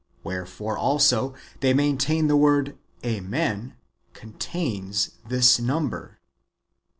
Yfherefore also they maintain the word " Amen " contains this number.